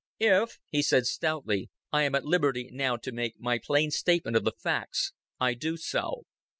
"If," he said stoutly, "I am at liberty now to make my plain statement of the facts, I do so.